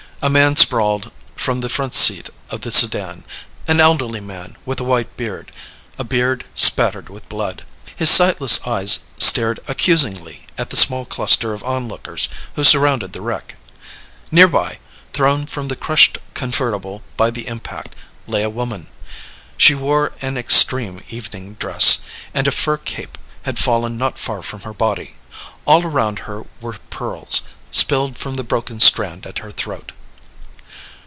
A man sprawled from the front seat of the sedan an elderly man, with a white beard a beard spattered with blood. His sightless eyes stared accusingly at the small cluster of onlookers who surrounded the wreck. Nearby, thrown from the crushed convertible by the impact, lay a woman. She wore an extreme evening dress, and a fur cape had fallen not far from her body. All around her were pearls ... spilled from the broken strand at her throat.